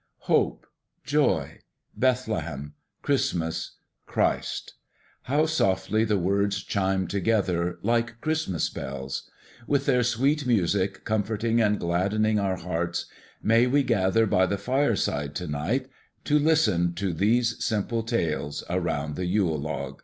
Hope Joy Bethlehem Christmas Christ! How softly the words chime together, like Christmas bells! With their sweet music comforting and gladdening our hearts, may we gather by the fireside to night, to listen to these simple tales AROUND THE YULE LOG.